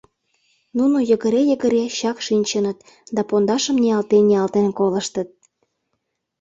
Нуно йыгыре-йыгыре чак шинчыныт да пондашым ниялтен-ниялтен колыштыт.